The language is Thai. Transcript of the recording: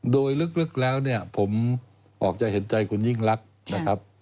โดยลึกแล้วเนี่ยผมออกจะเห็นใจคุณยิ่งรักนะครับ